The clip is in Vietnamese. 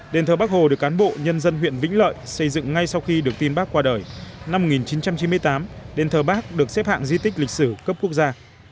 đền thờ bắc hồ được cán bộ nhân dân huyện vĩnh lợi xây dựng ngay sau khi được tin bác qua đời năm một nghìn chín trăm chín mươi tám đền thờ bắc được xếp hạng di tích lịch sử cấp quốc gia